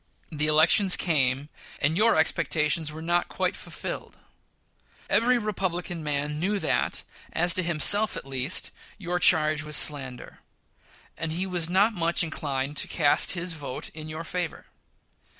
The elections came, and your expectations were not quite fulfilled. Every Republican man knew that, as to himself at least, your charge was a slander, and he was not much inclined by it to cast his vote in your favor.